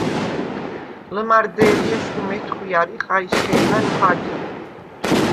ლჷმარდე̄ლი ეშხუ მეთხვიარ ი ხა̄ჲშხე̄ნა ხაჯი.